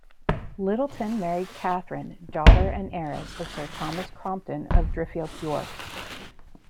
Lyttelton married Catherine, daughter and heiress of Sir Thomas Crompton, of Driffield, Yorks.